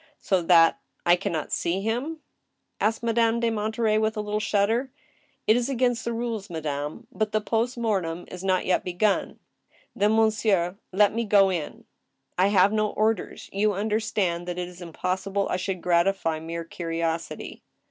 •' So that I can not see him ?" asked Madame de Monterey, with a little shudder. " It is against the rules, madame, but iht past tnortem is not yet begun." " Then, monsieur, let me go in." "I have no orders. You understand that it is impossible I should gratify mere curiosity."